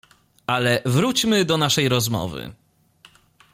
"Ale wróćmy do naszej rozmowy."